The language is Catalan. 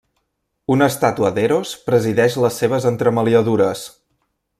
Una estàtua d'Eros presideix les seves entremaliadures.